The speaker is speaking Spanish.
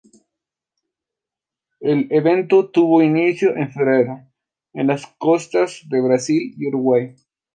El evento tuvo inicio en febrero, en las costas de Brasil y Uruguay.